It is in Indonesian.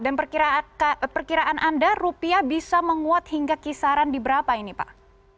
dan perkiraan anda rupiah bisa menguat hingga kisaran di berapa ini pak